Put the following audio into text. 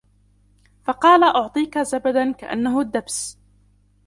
فقال أعطيك زبداً كأنه الدبس